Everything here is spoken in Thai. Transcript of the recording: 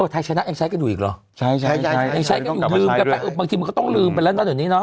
ไทยชนะยังใช้กันอยู่อีกหรอใช้ใช้กันอยู่บางทีมันก็ต้องลืมไปแล้วตอนนี้เนาะ